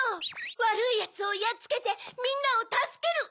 わるいヤツをやっつけてみんなをたすける！